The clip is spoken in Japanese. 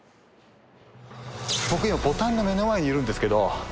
僕今ボタンの目の前にいるんですけど。